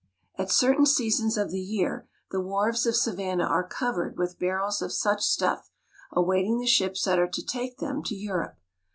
At certain seasons of the year the wharves of Savannah are covered with barrels of such stuff, awaiting the ships that are to take them to Europe.